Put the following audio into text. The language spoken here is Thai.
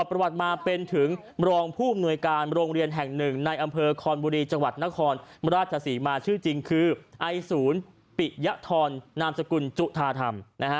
บุรีจังหวัดนครมราชสีมาชื่อจริงคือไอศูนย์ปิยธรนามสกุลจุธาธรรม